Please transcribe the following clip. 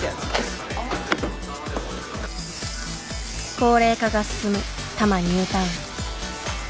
高齢化が進む多摩ニュータウン。